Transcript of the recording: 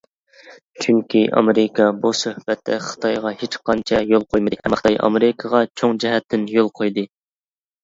چۈنكى ئامېرىكا بۇ سۆھبەتتە خىتايغا ھېچقانچە يول قويمىدى، ئەمما خىتاي ئامېرىكىغا چوڭ جەھەتتىن يول قويدى.